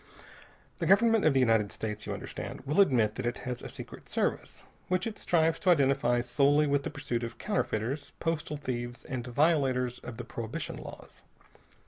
The Government of the United States, you understand, will admit that it has a Secret Service, which it strives to identify solely with the pursuit of counterfeiters, postal thieves, and violators of the prohibition laws.